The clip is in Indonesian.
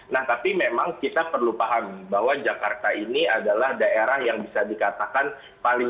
nah tapi memang kita perlu pahami bahwa jakarta ini adalah daerah yang bisa dikatakan paling